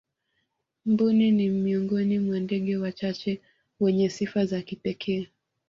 mbuni ni miongoni mwa ndege wachache wenye sifa za kipekee